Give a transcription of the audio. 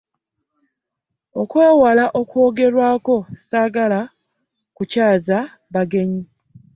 Okwewala okwogerwako ssaagala kukyaza bagenyi.